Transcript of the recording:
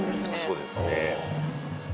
そうですね